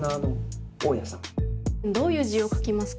どういう字を書きますか？